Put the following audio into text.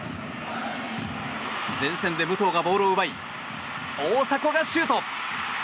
前線で武藤がボールを奪い大迫がシュート！